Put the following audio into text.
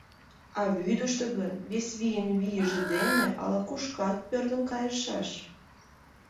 А вӱдыштӧ гын, вес вийын вийже дене ала-кушкат пӧрдын кайышаш.